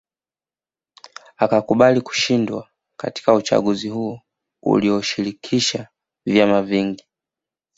Akakubali kushindwa katika uchaguzi huo uliovishirikisha vyama vingi